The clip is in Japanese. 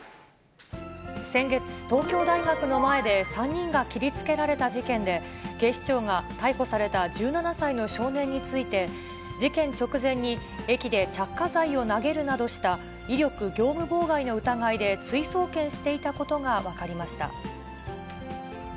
先月、東京大学の前で、３人が切りつけられた事件で、警視庁が逮捕された１７歳の少年について、事件直前に駅で着火剤を投げるなどした、威力業務妨害の疑いで追送検していたことが分かりました。